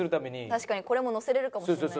確かにこれも載せられるかもしれない。